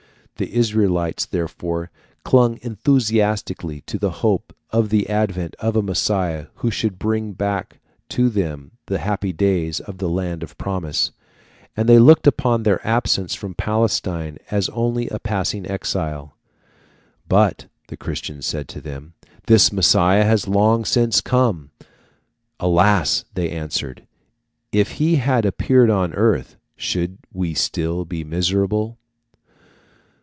The Israelites, therefore, clung enthusiastically to the hope of the advent of a Messiah who should bring back to them the happy days of the land of promise, and they looked upon their absence from Palestine as only a passing exile. "But," the Christians said to them, "this Messiah has long since come." "Alas!" they answered, "if He had appeared on earth should we still be miserable?"